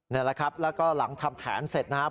นี่แหละครับแล้วก็หลังทำแผนเสร็จนะครับ